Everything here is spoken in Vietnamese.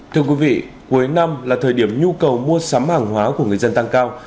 thưa quý vị cuối năm là thời điểm nhu cầu mua sắm hàng hóa của người dân tăng cao